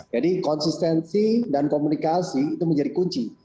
jadi konsistensi dan komunikasi itu menjadi kunci